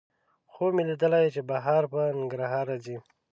خوب مې لیدلی چې بهار په ننګرهار راځي